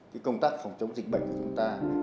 cái công tác phòng chống dịch bệnh của chúng ta